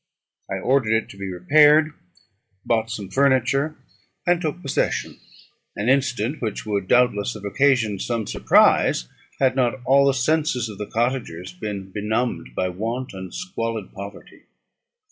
I ordered it to be repaired, bought some furniture, and took possession; an incident which would, doubtless, have occasioned some surprise, had not all the senses of the cottagers been benumbed by want and squalid poverty.